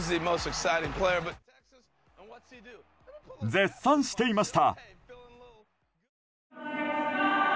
絶賛していました。